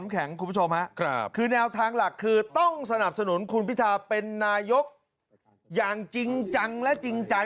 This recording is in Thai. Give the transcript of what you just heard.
แข็งคุณผู้ชมฮะคือแนวทางหลักคือต้องสนับสนุนคุณพิทาเป็นนายกอย่างจริงจังและจริงใจ